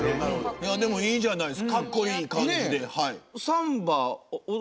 いやでもいいじゃないですかかっこいい感じで。